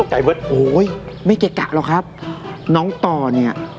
โอ้ยตกไอ้หมดโอ้ยไม่ไกลกันหรอกครับน้องต่อเนี้ย